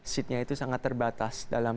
seatnya itu sangat terbatas dalam